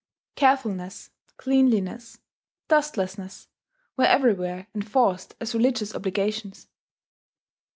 Carefulness, cleanliness, dustlessness, were everywhere enforced as religious obligations.